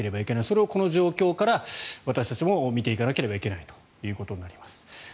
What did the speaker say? それをこの状況から私たちも見ていかなければいけないということになります。